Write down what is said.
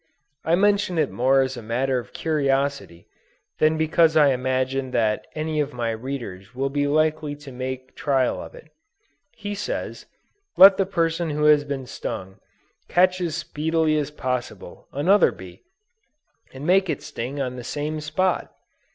I mention it more as a matter of curiosity, than because I imagine that any of my readers will be likely to make trial of it. He says, let the person who has been stung, catch as speedily as possible, another bee, and make it sting on the same spot!